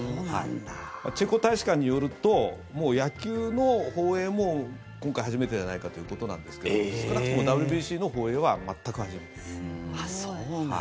チェコ大使館によると野球の放映も今回、初めてじゃないかということなんですけど少なくともＷＢＣの放映は全く初めてです。